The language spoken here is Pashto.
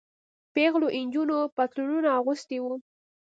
پيغلو نجونو پتلونونه اغوستي وو.